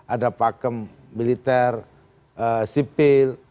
ada pakem militer sipil